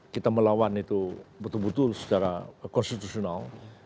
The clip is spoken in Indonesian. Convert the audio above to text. kita melawan itu betul betul secara konstitusional